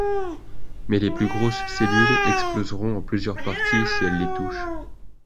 Mais les plus grosses cellules exploseront en plusieurs parties si elle les touchent.